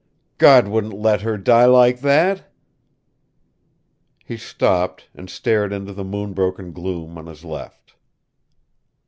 God wouldn't let her die like that!" He stopped, and stared into the moon broken gloom on his left.